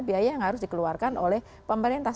biaya yang harus dikeluarkan oleh pemerintah